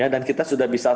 dan kita sudah bisa